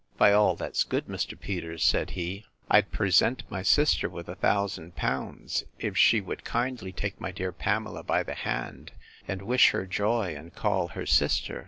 By all that's good, Mr. Peters, said he, I'd present my sister with a thousand pounds, if she would kindly take my dear Pamela by the hand, and wish her joy, and call her sister!